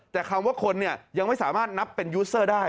แต่คำว่าคนเนี่ยยังไม่สามารถนับเป็นยูสเซอร์ได้